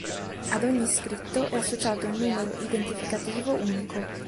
Ad ogni iscritto è associato un numero identificativo unico.